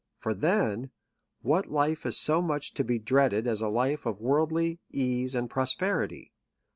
for then, what life is so much to be dreaded as a life of worldly ease and prosperity